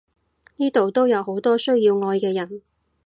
呢度都有好多需要愛嘅人！